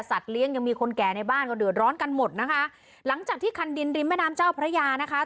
เลี้ยงยังมีคนแก่ในบ้านก็เดือดร้อนกันหมดนะคะหลังจากที่คันดินริมแม่น้ำเจ้าพระยานะคะ